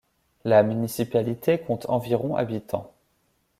La municipalité compte environ habitants.